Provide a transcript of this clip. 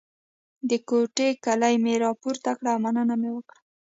د کوټې کیلي مې راپورته کړه او مننه مې وکړه.